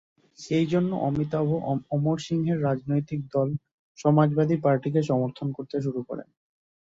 সেই জন্য অমিতাভ অমর সিংহের রাজনৈতিক দল সমাজবাদী পার্টিকে সমর্থন করতে শুরু করেন।